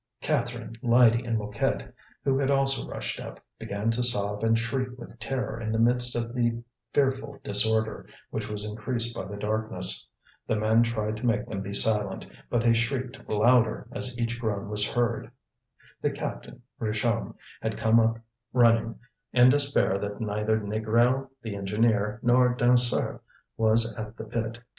Catherine, Lydie, and Mouquette, who had also rushed up, began to sob and shriek with terror in the midst of the fearful disorder, which was increased by the darkness. The men tried to make them be silent, but they shrieked louder as each groan was heard. The captain, Richomme, had come up running, in despair that neither Négrel, the engineer, nor Dansaert was at the pit.